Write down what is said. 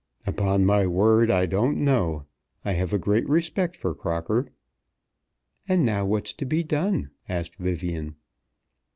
"Upon my word, I don't know. I have a great respect for Crocker." "And now what's to be done?" asked Vivian.